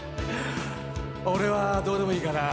俺はどうでもいいかな。